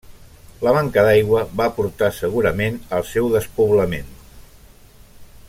La manca d'aigua va portar segurament al seu despoblament.